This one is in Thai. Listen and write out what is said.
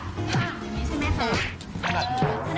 สวัสดีครับมาเจอกับแฟแล้วนะครับ